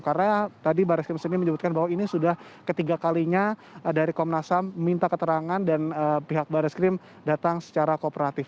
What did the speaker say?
karena tadi barat kepala sendiri menyebutkan bahwa ini sudah ketiga kalinya dari komnas ham minta keterangan dan pihak barat kepala datang secara kooperatif